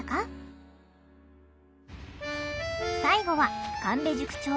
最後は神戸塾長